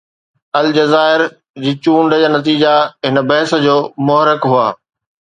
الجزائر جي چونڊ نتيجا هن بحث جو محرڪ هئا.